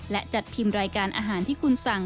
และจัดพิมพ์รายการอาหารที่คุณสั่ง